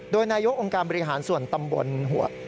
โดยนายกองค์การบริหารส่วนตำบลหัว